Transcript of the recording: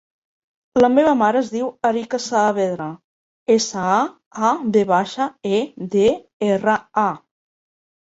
La meva mare es diu Erika Saavedra: essa, a, a, ve baixa, e, de, erra, a.